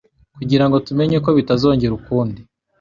kugirango tumenye ko bitazongera ukundi